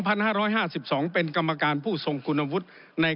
พันห้าร้อยห้าสิบสองเป็นกรรมการผู้ทรงคุณวุตใน